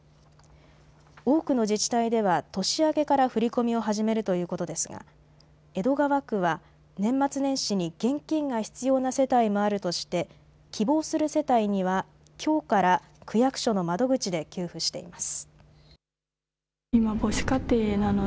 多くの自治体では年明けから振り込みを始めるということですが江戸川区は年末年始に現金が必要な世帯もあるとして希望する世帯にはきょうから区役所の窓口で給付しています。